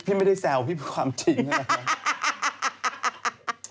พี่ไม่ได้แซวพี่ความจริงนะครับ